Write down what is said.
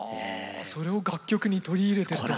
それを楽曲に取り入れてと。